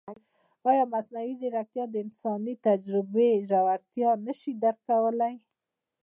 ایا مصنوعي ځیرکتیا د انساني تجربې ژورتیا نه شي درک کولی؟